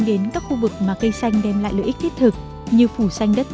đúng yếu hít sáng